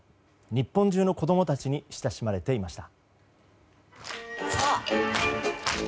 日本中の子供たちに親しまれていました。